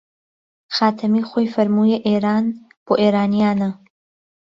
خاتەمی خۆی فەرموویە ئێران بۆ ئێرانیانە